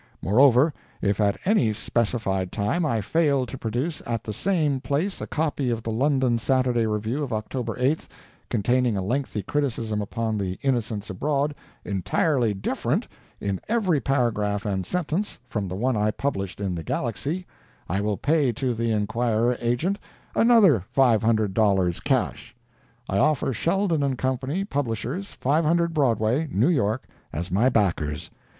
Moreover, if at any specified time I fail to produce at the same place a copy of the London Saturday Review of October 8th, containing a lengthy criticism upon the Innocents Abroad, entirely different, in every paragraph and sentence, from the one I published in The Galaxy, I will pay to the Enquirer agent another five hundred dollars cash. I offer Sheldon & Co., publishers, 500 Broadway, New York, as my "backers."